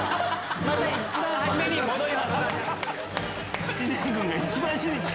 一番初めに戻ります。